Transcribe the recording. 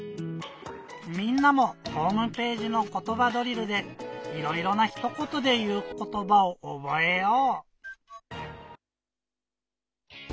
みんなもホームページの「ことばドリル」でいろいろなひとことでいうことばをおぼえよう！